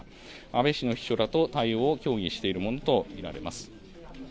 安倍氏の秘書らと対応を協議しているものと見られます。